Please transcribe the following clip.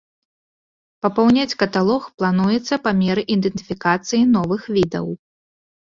Папаўняць каталог плануецца па меры ідэнтыфікацыі новых відаў.